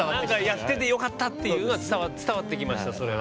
やっててよかったっていうのは伝わってきました、それは。